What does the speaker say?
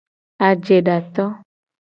Ajedato.